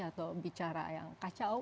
atau bicara yang kacau